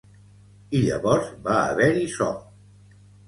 I llavors va haver-hi so.